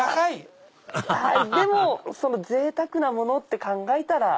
アハハハぜいたくなものって考えたら。